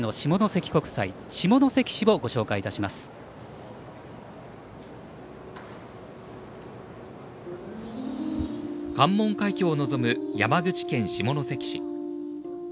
関門海峡を臨む、山口県下関市。